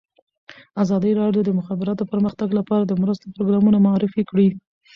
ازادي راډیو د د مخابراتو پرمختګ لپاره د مرستو پروګرامونه معرفي کړي.